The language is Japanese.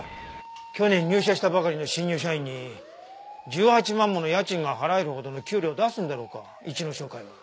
去年入社したばかりの新入社員に１８万もの家賃が払えるほどの給料を出すんだろうか市野商会は。